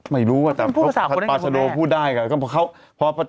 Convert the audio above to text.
ไม่รู้ว่าแต่ปาชโดพูดได้